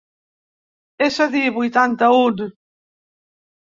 És a dir, vuitanta-un.